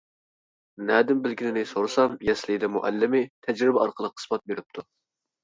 نەدىن بىلگىنىنى سورىسام يەسلىدە مۇئەللىمى تەجرىبە ئارقىلىق ئىسپات بېرىپتۇ.